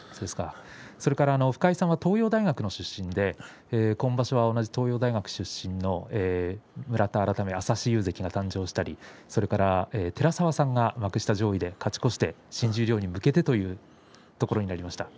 それから深井さんは東洋大学出身で今場所は同じ東洋大学出身の村田改め朝志雄関が誕生したりそれから寺沢さんが幕下上位で勝ち越したり新十両に向けてというところになりました。